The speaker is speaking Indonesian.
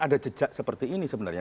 ada jejak seperti ini sebenarnya